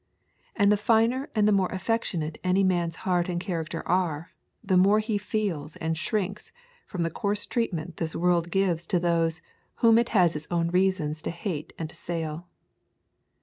And the finer and the more affectionate any man's heart and character are, the more he feels and shrinks from the coarse treatment this world gives to those whom it has its own reasons to hate and assail.